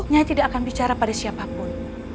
saya tidak akan bicara pada siapapun